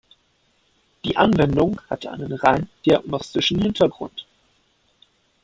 Die Anwendung hat einen rein diagnostischen Hintergrund.